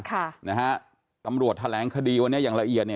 ค่ะนะฮะตำรวจแถลงคดีวันนี้อย่างละเอียดเนี่ย